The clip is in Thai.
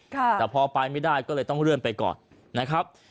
แต่พอไปไม่ได้ก็เลยต้องเลื่อนไปก่อนนะครับ